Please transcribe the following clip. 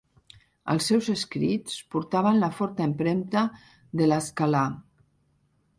Els seus escrits portaven la forta empremta de l'Haskalà.